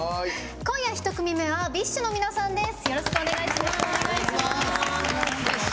今夜、一組目はＢｉＳＨの皆さんです。